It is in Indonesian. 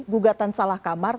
gugatan salah kamar